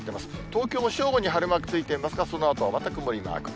東京も正午に晴れマークついていますが、そのあとはまた曇りマーク。